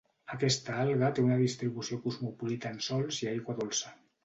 Aquesta alga té una distribució cosmopolita en sòls i aigua dolça.